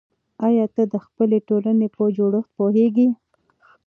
آیا ته د خپلې ټولنې په جوړښت پوهېږې؟